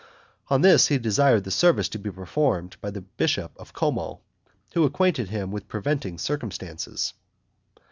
On this he desired the service to be performed by the bishop of Como, who acquainted him with preventing circumstances.